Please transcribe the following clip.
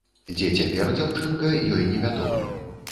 Дзе цяпер дзяўчынка, ёй невядома.